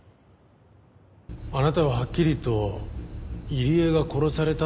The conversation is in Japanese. あなたははっきりと「入江が殺された」って言ってた。